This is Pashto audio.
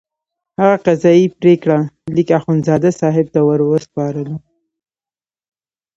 هغه قضایي پرېکړه لیک اخندزاده صاحب ته وروسپارلو.